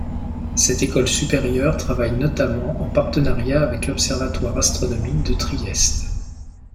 Cette école supérieure travaille notamment en partenariat avec l'observatoire astronomique de Trieste.